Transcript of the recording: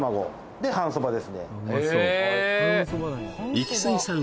イキスギさん